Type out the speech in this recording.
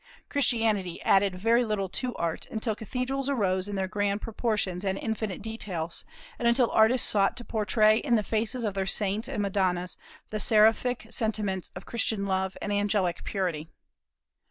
Christianity added very little to Art, until cathedrals arose in their grand proportions and infinite details, and until artists sought to portray in the faces of their Saints and Madonnas the seraphic sentiments of Christian love and angelic purity.